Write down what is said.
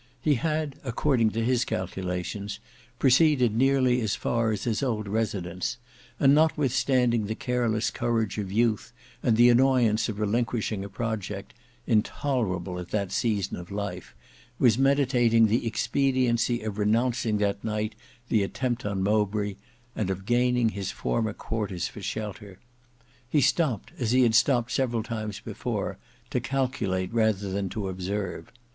He had according to his calculations proceeded nearly as far as his old residence, and notwithstanding the careless courage of youth and the annoyance of relinquishing a project, intolerable at that season of life, was meditating the expediency of renouncing that night the attempt on Mowbray and of gaining his former quarters for shelter. He stopped, as he had stopped several times before, to calculate rather than to observe.